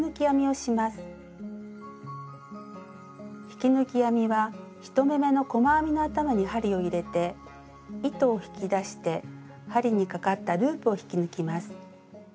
引き抜き編みは１目めの細編みの頭に針を入れて糸を引き出して針にかかったループを引き抜きます。